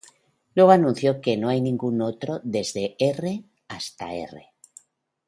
Luego anunció que no hay ningún otro desde "R" hasta "R".